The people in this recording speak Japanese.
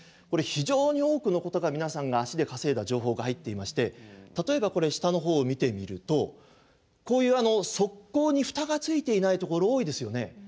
これ非常に多くのことが皆さんが足で稼いだ情報が入っていまして例えばこれ下の方を見てみるとこういう側溝に蓋がついていないところ多いですよね。